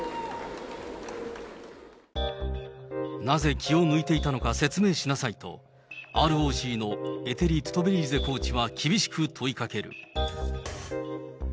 なぜ気を抜いていたのか説明しなさいと、ＲＯＣのエテリ・トゥトベリーゼコーチは厳しく問いかける。